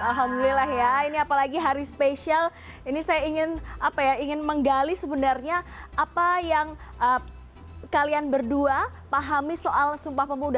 alhamdulillah ya ini apalagi hari spesial ini saya ingin menggali sebenarnya apa yang kalian berdua pahami soal sumpah pemuda